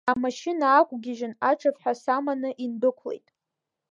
Амашьына аақәгьежьын, аҿывҳәа саманы индәықәлеит.